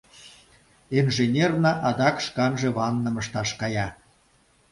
— Инженерна адак шканже ванным ышташ кая.